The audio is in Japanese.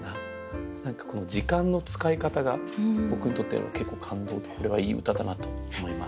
何かこの時間の使い方が僕にとっては結構感動でこれはいい歌だなと思います。